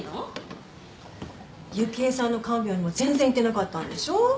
幸恵さんの看病にも全然行ってなかったんでしょ？